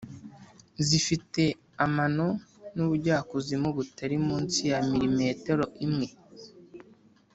zifite amano n'ubujyakuzimu butari munsi ya milimetero imwe